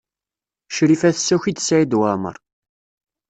Crifa tessaki-d Saɛid Waɛmaṛ.